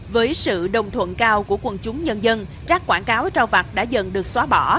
với sự đồng thuận cao của quần chúng nhân dân rác quảng cáo trao vặt đã dần được xóa bỏ